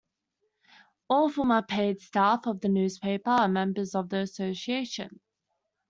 All former paid staff of the newspaper are members of the Association.